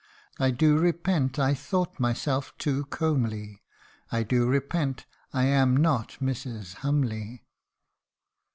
I do repent I thought myself too comely ; I do repent I am not Mrs. Humley